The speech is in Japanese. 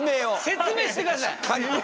説明してください。